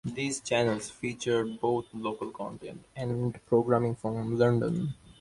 These channels featured both local content and programming from London.